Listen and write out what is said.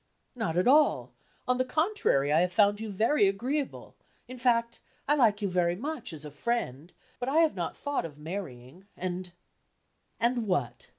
"Not at all; on the contrary, I have found you very agreeable, in fact I like you very much as a friend, but I have not thought of marrying, and " "And what?